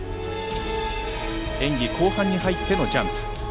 演技後半に入ってのジャンプ。